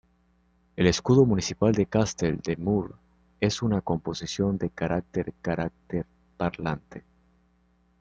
El escudo municipal de Castell de Mur es una composición de carácter carácter parlante.